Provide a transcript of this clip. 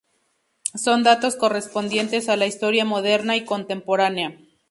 Son datos correspondientes a la historia moderna y contemporánea.